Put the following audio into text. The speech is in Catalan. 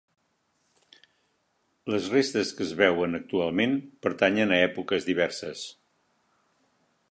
Les restes que es veuen actualment pertanyen a èpoques diverses.